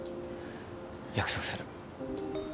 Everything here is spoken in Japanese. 約束する。